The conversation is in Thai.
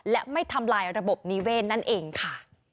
และไม่ทำลายระบบนิเวศนั่นเองค่ะ